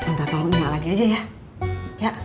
ntar tolong imat lagi aja ya